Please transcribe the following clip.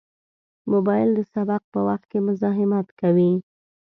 موبایل د سبق په وخت کې مزاحمت کوي.